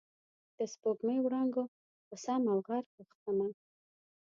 د سپوږمۍ وړانګو په سم او غر غوښتمه